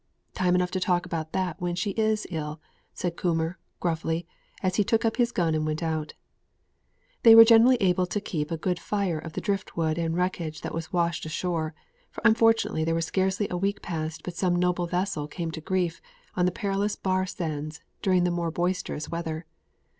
"Time enough to talk about that when she is ill," said Coomber, gruffly, as he took up his gun and went out. They were generally able to keep a good fire of the drift wood and wreckage that was washed ashore, for unfortunately there was scarcely a week passed but some noble vessel came to grief on the perilous bar sands during the more boisterous weather.